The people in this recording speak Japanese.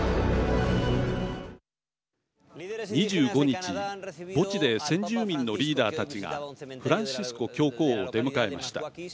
２５日墓地で先住民のリーダーたちがフランシスコ教皇を出迎えました。